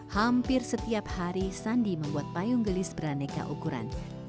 hampir setiap hari sandi membuat payung gelis beraneka ukuran